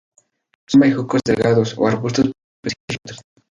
Son bejucos delgados o arbustos pequeños y rectos.